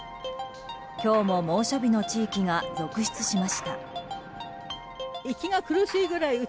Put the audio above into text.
今日も猛暑日の地域が続出しました。